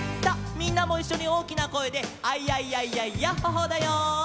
みんなもいっしょにおおきなこえで「アイヤイヤイヤイヤッホ・ホー」だよ。